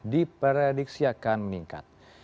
diprediksi akan meningkat